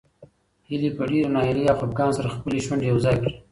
هیلې په ډېرې ناهیلۍ او خپګان سره خپلې شونډې یو ځای کړې.